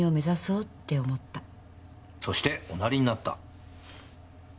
そしておなりになった。